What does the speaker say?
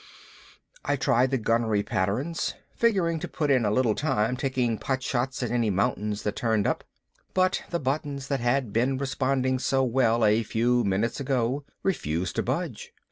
I tried the gunnery patterns, figuring to put in a little time taking pot shots at any mountains that turned up, but the buttons that had been responding so well a few minutes ago refused to budge.